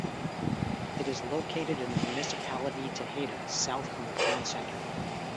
It is located in the municipality Tejeda, south from the town centre.